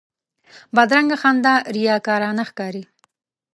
بدرنګه خندا ریاکارانه ښکاري